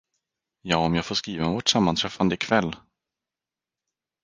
Ja, om jag får skriva om vårt sammanträffande i kväll.